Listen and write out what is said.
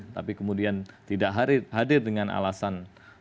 tapi kemudian tidak hadir dengan alasan